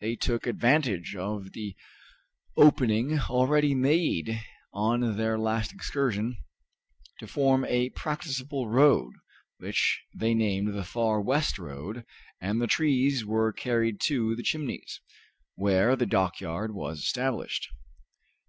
They took advantage of the opening already made on their last excursion to form a practicable road, which they named the Far West Road, and the trees were carried to the Chimneys, where the dockyard was established.